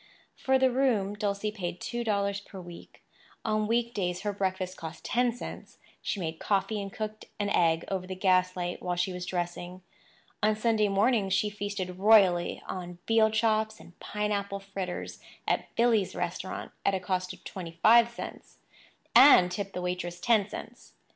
For the room, Dulcie paid two dollars per week. On week days her breakfast cost ten cents; she made coffee and cooked an egg over the gaslight while she was dressing. On Sunday mornings she feasted royally on veal chops and pineapple fritters at "Billy's" restaurant, at a cost of twenty five cents—and tipped the waitress ten cents.